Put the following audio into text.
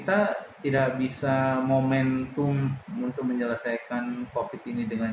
apalah yang dia butuhkan sehingga keluar